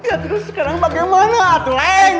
ya terus sekarang bagaimana tuh leng